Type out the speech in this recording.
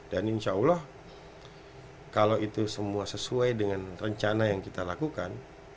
dan insya allah kalau itu semua sesuai dengan rencana yang kita lakukan